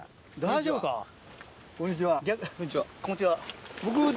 大丈夫か？